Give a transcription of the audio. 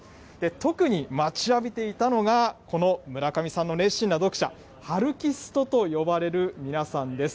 特に待ちわびていたのがこの村上さんの熱心な読者、ハルキストと呼ばれる皆さんです。